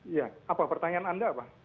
iya apa pertanyaan anda apa